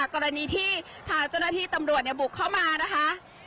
กรณีที่ทางเจ้าหน้าที่ตำรวจบุกเข้ามานะคะ